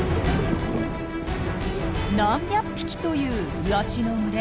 何百匹というイワシの群れ。